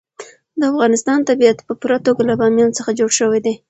د افغانستان طبیعت په پوره توګه له بامیان څخه جوړ شوی دی.